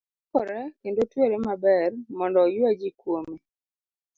Noruakore kendo otwere maber mondo oyua ji kuome.